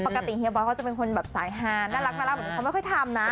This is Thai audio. เฮียบอยเขาจะเป็นคนแบบสายฮานน่ารักเหมือนเป็นคนไม่ค่อยทำนะ